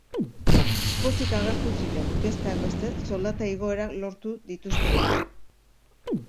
Pozik agertu ziren, besteak beste, soldata-igoerak lortu dituztelako.